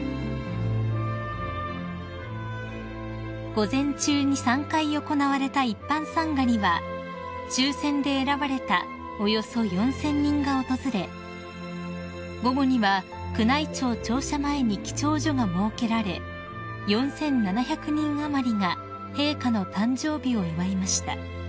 ［午前中に３回行われた一般参賀には抽選で選ばれたおよそ４，０００人が訪れ午後には宮内庁庁舎前に記帳所が設けられ４，７００人余りが陛下の誕生日を祝いました］